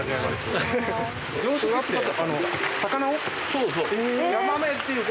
そうそう。